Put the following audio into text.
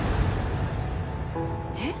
えっ？